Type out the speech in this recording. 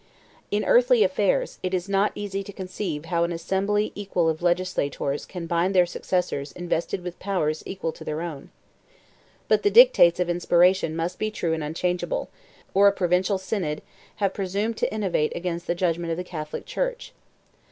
63 In earthly affairs, it is not easy to conceive how an assembly equal of legislators can bind their successors invested with powers equal to their own. But the dictates of inspiration must be true and unchangeable; nor should a private bishop, or a provincial synod, have presumed to innovate against the judgment of the Catholic church.